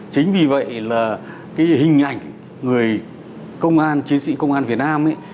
chính vì vậy là hình ảnh người công an chiến sĩ công an việt nam